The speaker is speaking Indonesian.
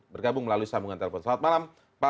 bergabung melalui sambungan telepon selamat malam pak